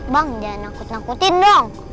bang jangan angkut angkutin dong